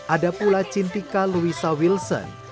ada pula cintika louisa wilson